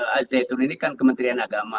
azzaitun ini kan kementerian agama